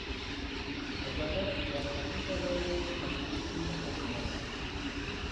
عبادت د اخلاقي فضایلو تکمیل مقدمه ده.